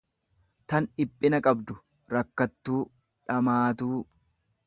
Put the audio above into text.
tan dhiphina qabdu, rakkattuu, dhamaatuu.